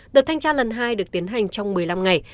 đợt thanh tra lần hai được tiến hành trong một mươi năm ngày